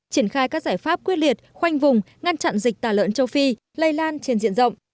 triển khai các giải pháp quyết liệt khoanh vùng ngăn chặn dịch tả lợn châu phi lây lan trên diện rộng